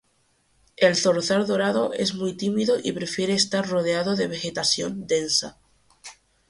El zorzal dorado es muy tímido y prefiere estar rodeado de vegetación densa.